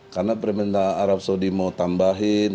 karena permintaan arab saudi mau tambahin